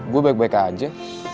gue baik baik aja